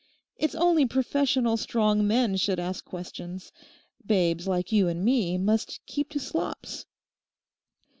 It's only professional strong men should ask questions. Babes like you and me must keep to slops.